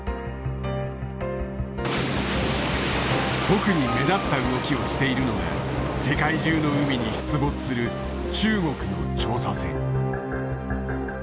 特に目立った動きをしているのが世界中の海に出没する中国の調査船。